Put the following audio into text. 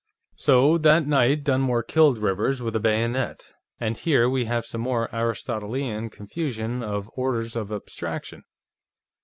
"So that night, Dunmore killed Rivers, with a bayonet. And here we have some more Aristotelian confusion of orders of abstraction.